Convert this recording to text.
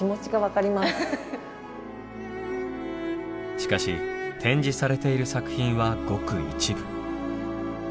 しかし展示されている作品はごく一部。